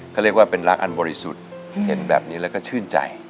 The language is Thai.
ก็เป็นรักอันบริสุทธิ์เห็นแบบนี้แล้วก็ชื่นใจ